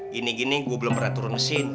gini gini gue belum pernah turun mesin